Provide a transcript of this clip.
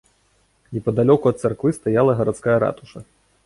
Непадалёку ад царквы стаяла гарадская ратуша.